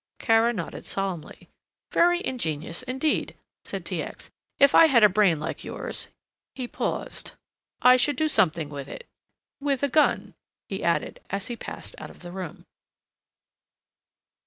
Kara nodded solemnly. "Very ingenious indeed," said T. X. "If I had a brain like yours," he paused, "I should do something with it with a gun," he added, as he passed out of the room.